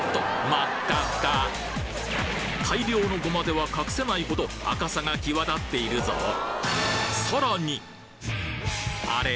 まっかっか大量のゴマでは隠せないほど赤さが際立っているぞあれ？